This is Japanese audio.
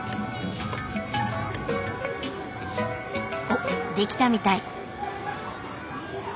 おっ出来たみたい。